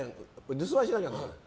留守番しなきゃいけない。